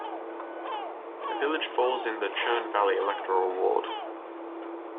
The village falls in the 'Churn Valley' electoral ward.